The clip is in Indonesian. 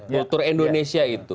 kultur indonesia itu